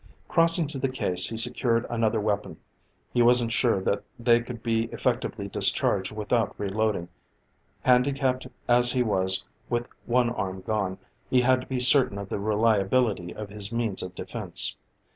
Crossing to the case he secured another weapon. He wasn't sure that they could be effectively discharged without re loading; handicapped as he was with one arm gone, he had to be certain of the reliability of his means of defense.